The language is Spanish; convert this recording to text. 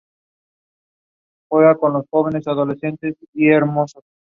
Las langostas espinosas viven, en general, en fondos rocosos donde fácilmente pueden encontrar refugios.